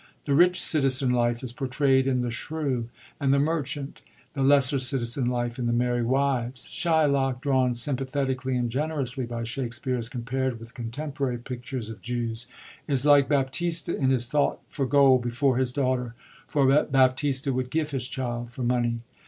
The rich citizen life is portrayd in The Shrew and The Merchant, the lesser citizen life in T?ie Merry Wives, Shylock, drawn sympathetically and generously by Shakspere as compared with contemporary pictures of Jews, is like Baptista in his thought for gold before his daughter— for Baptista would give his child for money.